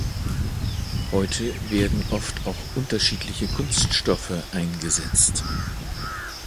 Heute werden oft auch unterschiedliche Kunststoffe eingesetzt.